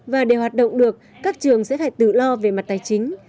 và để hoạt động được các trường sẽ phải tự lo về mặt tài chính